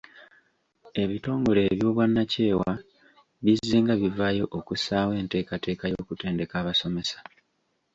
Ebitongole eby’obwannakyewa bizzenga bivaayo okussaawo enteekateeka y’okutendeka abasomesa.